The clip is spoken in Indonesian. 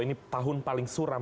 ini tahun paling suram